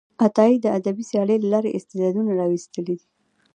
عطایي د ادبي سیالۍ له لارې استعدادونه راویستلي دي.